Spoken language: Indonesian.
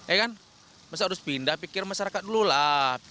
eh kan masa harus pindah pikir masyarakat dulu lah